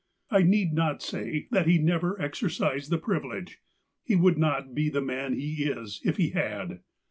I need not say that he never exercised the privilege. He would not be the man he is, if he had.